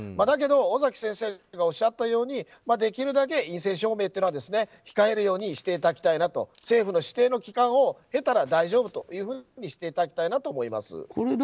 だけど、尾崎先生がおっしゃったようにできるだけ陰性証明は控えるようにしていただきたいなと政府の指定の期間を経たら大丈夫としていただきたいなと思います。